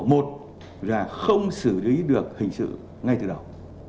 một là không xử lý được hình sự ngay từ đầu